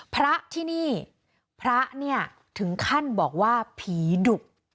พระที่นี่พระเนี่ยถึงขั้นบอกว่าผีดุ